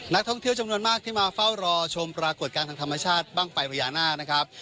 นักท่องเที่ยวจำนวนมากที่มาเฝ้ารอชมปรากฏการณ์ทางธรรมชาติบ้างไฟพญานาคนะครับ